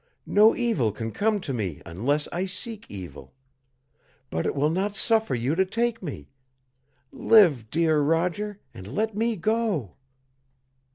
No evil can come to me unless I seek evil. But It will not suffer you to take me. Live, dear Roger, and let me go."